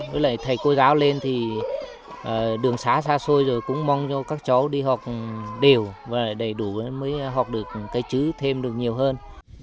với lại thầy cô giáo lên thì đường xá xa xôi rồi cũng mong cho các cháu đi học đều và đầy đủ mới học được cái chữ thêm được nhiều hơn